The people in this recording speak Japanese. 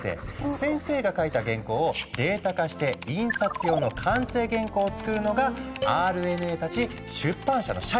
先生が描いた原稿をデータ化して印刷用の完成原稿をつくるのがＲＮＡたち出版社の社員なんだ。